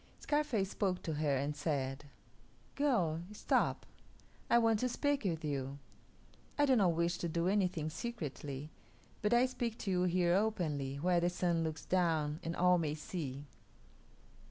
Scarface spoke to her, and said, "Girl, stop; I want to speak with you. I do not wish to do anything secretly, but I speak to you here openly, where the Sun looks down and all may see."